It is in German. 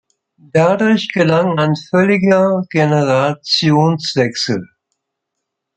Dadurch gelang ein völliger Generationswechsel.